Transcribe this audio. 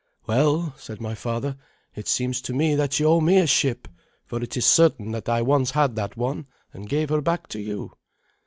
"Well," said my father, "it seems to me that you owe me a ship, for it is certain that I once had that one, and gave her back to you."